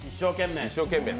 一生懸命！